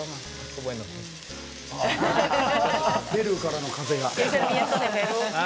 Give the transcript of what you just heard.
ペルーからの風が。